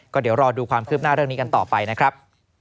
ก็เดี๋ยวรอดูความคืบหน้าเรื่องนี้กันต่อไปนะครับ